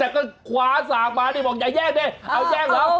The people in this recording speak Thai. แต่ก็ขวาสากมาสิบอกอย่าแยกเอาแยกแล้ว